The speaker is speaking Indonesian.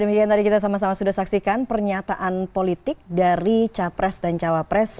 demikian tadi kita sama sama sudah saksikan pernyataan politik dari capres dan cawapres